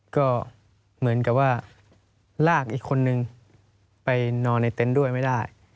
ก็เหมือนกับว่าลากอีกคนนึงไปนอนในเต็นต์ด้วยไม่ได้